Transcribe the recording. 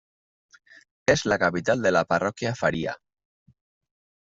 Es la capital de la Parroquia Faría.